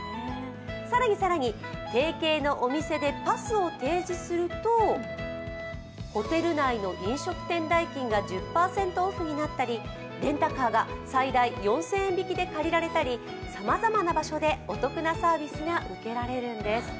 更に更に提携のお店でパスを提示すると、ホテル内の飲食店代金が１０％オフになったりレンタカーが最大４０００円引きで借りられたりさまざまな場所でお得なサービスが受けられるんです。